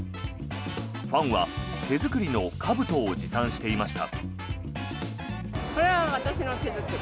ファンは手作りのかぶとを持参していました。